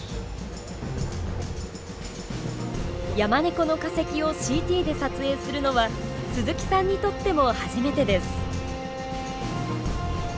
ヤマネコの化石をＣＴで撮影するのは鈴木さんにとっても初めてです。